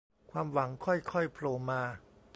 ความหวังค่อยค่อยโผล่มา